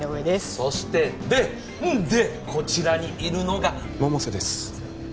そしてでんでこちらにいるのが百瀬です